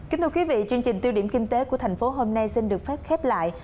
kính thưa quý vị chương trình tiêu điểm kinh tế của thành phố hôm nay xin được phép khép lại